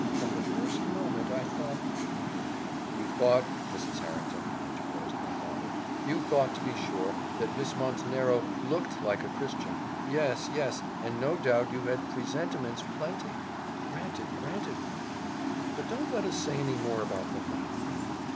From the first moment I thought " "You thought, Mrs. Harrington," interposed my father, "you thought, to be sure, that Miss Montenero looked like a Christian. Yes, yes; and no doubt you had presentiments plenty." "Granted, granted, my dear; but don't let us say any more about them now."